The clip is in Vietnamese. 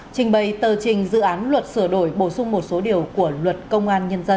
trình bày tờ trình dự án luật sửa đổi bổ sung một số điều của luật công an nhân dân